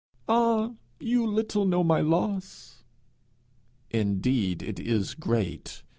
'Ah, you little know my loss!' 'Indeed it is great!